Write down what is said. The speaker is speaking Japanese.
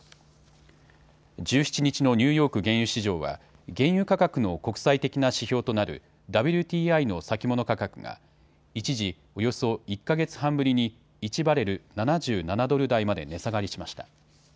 １７日のニューヨーク原油市場は原油価格の国際的な指標となるＷＴＩの先物価格が一時およそ１か月半ぶりに１バレル７７ドル台まで値下がりしました。